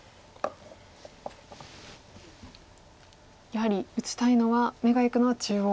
やはり打ちたいのは目がいくのは中央。